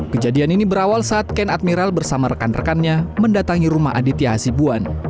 kejadian ini berawal saat ken admiral bersama rekan rekannya mendatangi rumah aditya hasibuan